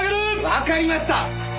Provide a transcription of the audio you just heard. わかりました！